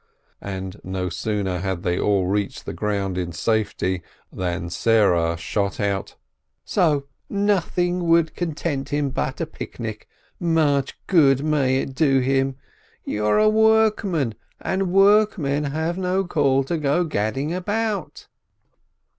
And no sooner had they all reached the ground in safety than Sarah shot out : "So, nothing would content him but a picnic? Much good may it do him ! You're a workman, and work men have no call to go gadding about